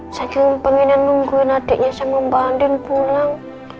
saya pengen nungguin adiknya sama mbak andin pulang